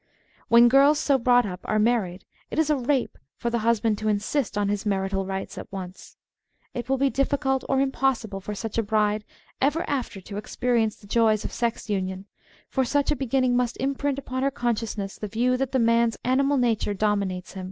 When girls so brought up are married it is a rape for the husband to insist on his " marital rights " at once. It will be difficult or impossible for such a bride ever after to experience the joys of sex union, for such a beginning must imprint upon her conscious ness the view that the man's animal nature dominates him.